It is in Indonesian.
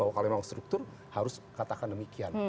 dan jujur kalau memang struktur harus katakan demikian